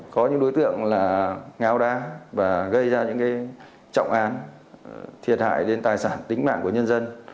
có những đối tượng là ngáo đá và gây ra những trọng án thiệt hại đến tài sản tính mạng của nhân dân